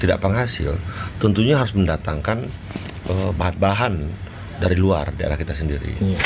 tidak penghasil tentunya harus mendatangkan bahan bahan dari luar daerah kita sendiri